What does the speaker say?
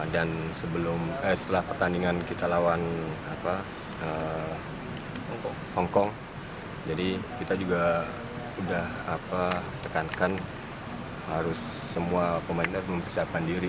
dan setelah pertandingan kita lawan hongkong jadi kita juga sudah tekankan harus semua pemain harus mempersiapkan diri